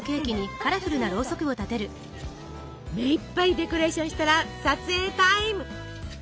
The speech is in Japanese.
目いっぱいデコレーションしたら撮影タイム！